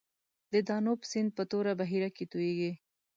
د دانوب سیند په توره بحیره کې تویږي.